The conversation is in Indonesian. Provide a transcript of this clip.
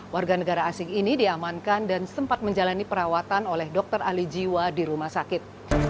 warga negara asing ini diamankan dan sempat menjalani perawatan oleh dokter ahli jiwa di rumah sakit